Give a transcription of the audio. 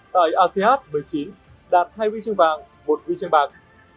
tại asean một mươi chín đạt hai huy chương vàng một huy chương bạc